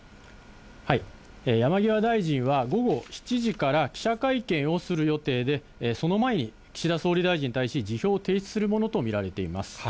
山際大臣は、午後７時から記者会見をする予定で、その前に岸田総理大臣に対し、辞表を提出するものと見られています。